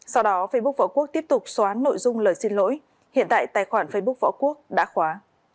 sau đó facebook võ quốc tiếp tục xóa nội dung lời xin lỗi hiện tại tài khoản facebook võ quốc đã khóa